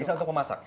bisa untuk memasak